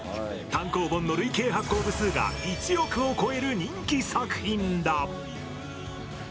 単行本の累計発行部数が１億を超える人気作品だ。